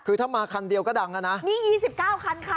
คือถ้ามาคันเดียวก็ดังอ่ะนะมี๒๙คันค่ะ